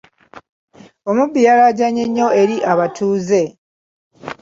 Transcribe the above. Omubbi yalaajanye nnyo eri abatuuze.